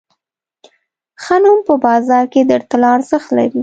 ښه نوم په بازار کې تر طلا ارزښت لري.